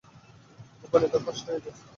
গোপনীয়তা ফাঁস হয়ে গেছে।